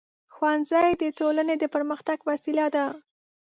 ښوونځی د ټولنې د پرمختګ وسیله ده.